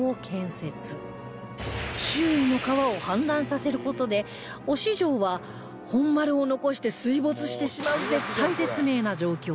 周囲の川を氾濫させる事で忍城は本丸を残して水没してしまう絶体絶命な状況に